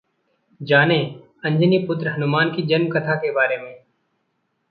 जानें, अंजनी पुत्र हनुमानजी की जन्मकथा के बारे में...